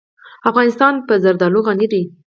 افغانستان په زردالو غني دی.